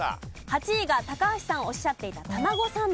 ８位が高橋さんおっしゃっていたたまごサンド。